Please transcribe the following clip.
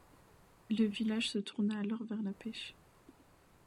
Le village se tourna alors vers la pêche.